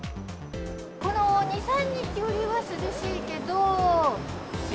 この２、３日よりは涼しいけ